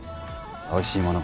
おいしいもの